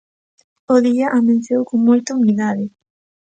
O día amenceu con moita humidade.